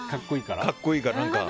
格好いいから、何か。